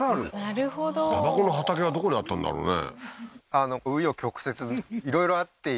なるほどタバコの畑はどこにあったんだろうね？